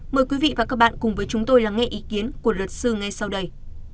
mời quý vị và các bạn cùng với chúng tôi lắng nghe ý kiến của luật sư ngay sau đây